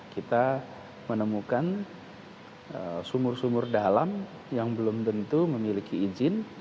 kita menemukan sumur sumur dalam yang belum tentu memiliki izin